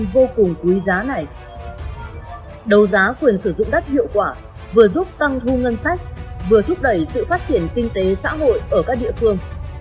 đầu giá quyền sử dụng đất hiệu quả vừa giúp tăng thu ngân sách vừa thúc đẩy sự phát triển kinh tế xã hội ở các địa phương